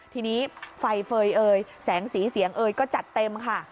ทีนี้ไฟเฟย์เอ่ยแสงสีเสียงเอยก็จัดเต็มค่ะ